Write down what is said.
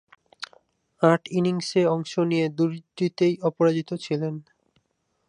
আট ইনিংসে অংশ নিয়ে দুইটিতে অপরাজিত ছিলেন।